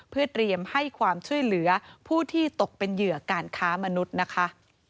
เพื่อเตรียมให้ความช่วยเหลือผู้ที่ตกเป็นเหยื่อการค้ามนุษย์นะคะ